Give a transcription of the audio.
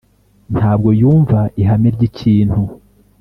ntabwo yumva ihame ryikintu.